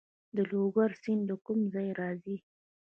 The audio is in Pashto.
د لوګر سیند له کوم ځای راځي؟